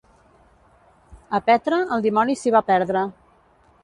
A Petra, el dimoni s'hi va perdre.